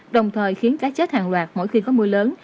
đồng thời khiến cá chết hàng loạt mỗi khi có mưa lớn